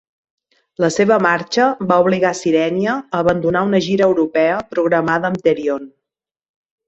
La seva marxa va obligar Sirenia a abandonar una gira europea programada amb Therion.